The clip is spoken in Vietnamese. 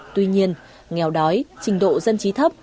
tuy nhiên nghèo đói trình độ dân trí thấp